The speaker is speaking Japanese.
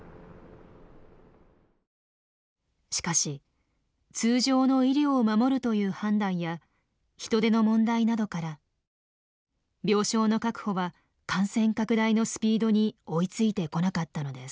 しかし通常の医療を守るという判断や人手の問題などから病床の確保は感染拡大のスピードに追いついてこなかったのです。